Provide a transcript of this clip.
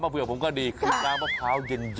เผื่อคุณชนะอีกลูกนะ